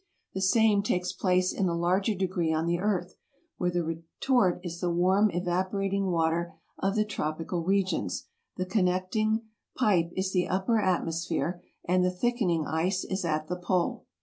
The same takes place in a larger degree on the earth, where the retort is the warm evaporating water of the tropical regions, the connecting pipe is the upper atmosphere, and the thickening ice is at the pole.